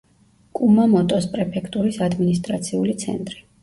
კუმამოტოს პრეფექტურის ადმინისტრაციული ცენტრი.